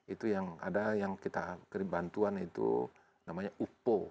itu yang ada yang kita kirim bantuan itu namanya upo